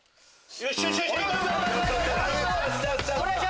よし！